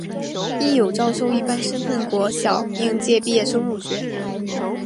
亦有招收一般身份国小应届毕业生入学。